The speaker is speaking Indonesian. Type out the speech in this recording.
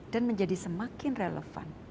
dan menjadi semakin relevan